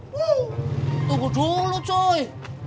wuh tunggu dulu coy